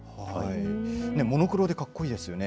モノクロでかっこいいですよね。